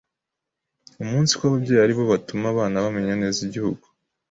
umunsiko ababyeyi aribo batuma abana bamenya neza igihugu